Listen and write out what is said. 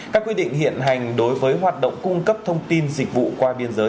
các quy định hiện hành đối với hoạt động cung cấp thông tin dịch vụ qua biên giới